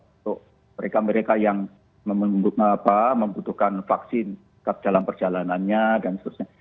untuk mereka mereka yang membutuhkan vaksin dalam perjalanannya dan seterusnya